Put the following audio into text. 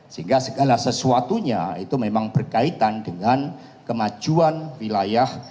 sehingga segala sesuatunya itu memang berkaitan dengan kemajuan wilayah